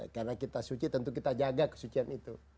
karena kita suci tentu kita jaga kesucian itu